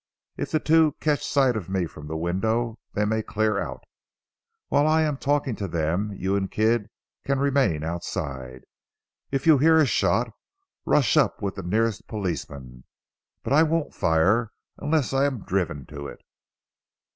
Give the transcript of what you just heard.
If the two catch sight of me from the window, they may clear out. While I am talking to them, you and Kidd can remain outside. If you hear a shot, rush up with the nearest policeman. But I won't fire unless I am driven to it."